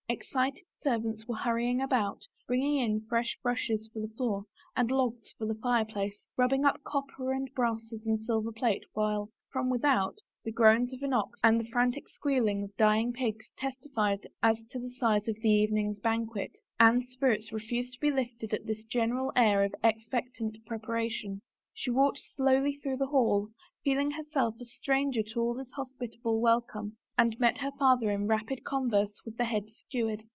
Excited servants were hurry ing about, bringing in fresh rushes for the floor and logs for the fireplaces, rubbing up copper and brasses and silver plate, while, from without, the groans of an ox and the frantic squealing of dying pigs testified as to the size of the evening's banquet. Anne's spirits refused to be lifted at this general air of expectant preparation. She walked slowly through the hall, feeling herself a stranger to all this hospitable welcome, and met her father in rapid converse with the head steward.